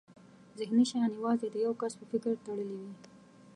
ذهني شیان یوازې د یو کس په فکر تړلي وي.